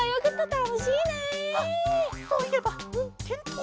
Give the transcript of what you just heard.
あっそういえばてんとう